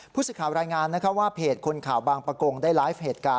ผู้สื่อข่าวรายงานว่าเพจคนข่าวบางประกงได้ไลฟ์เหตุการณ์